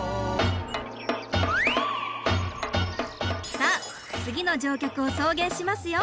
さあ次の乗客を送迎しますよ。